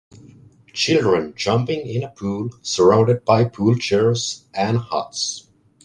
Children jumping in a pool surrounded by pool chairs and huts